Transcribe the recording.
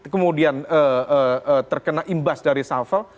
kemudian terkena imbas dari safel